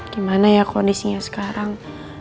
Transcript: gimana ya kondisinya sekarang